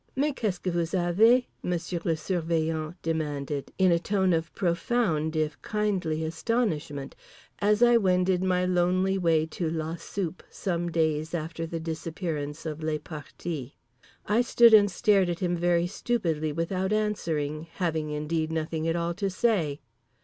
"Mais qu'est ce que vous avez," Monsieur le Surveillant demanded, in a tone of profound if kindly astonishment, as I wended my lonely way to la soupe some days after the disappearance of les partis. I stood and stared at him very stupidly without answering, having indeed nothing at all to say.